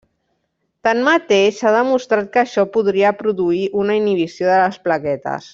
Tanmateix, s'ha demostrat que això podria produir una inhibició de les plaquetes.